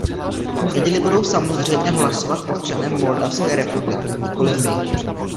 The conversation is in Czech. V neděli budou samozřejmě hlasovat občané Moldavské republiky, nikoli my.